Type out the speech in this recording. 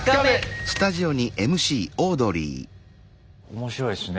面白いっすね。